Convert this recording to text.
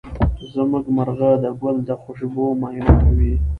زمونږ مرغه د ګل د خوشبو معاینه کوي.